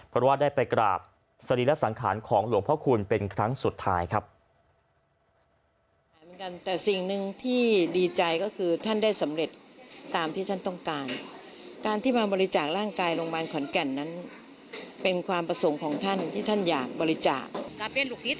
เพราะว่าได้เป็นสมบัติเป็นครั้งสุดท้ายครับ